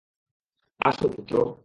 আসো, পুত্র।